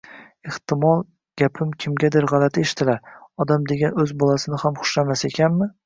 Ehtimol gapim kimgadir g`alati eshitilar, odam degan o`z bolasini ham xushlamas ekanmi